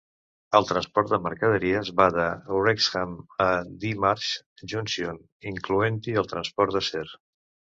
El transport de mercaderies va de Wrexham a Dee Marsh Junction, incloent-hi el transport d'acer.